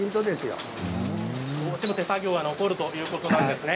どうしても手作業が残るということですね。